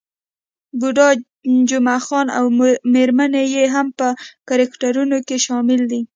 بوډا جمعه خان او میرمن يې هم په کرکټرونو کې شامل دي.